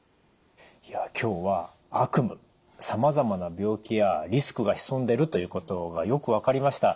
いや今日は悪夢さまざまな病気やリスクが潜んでるということがよく分かりました。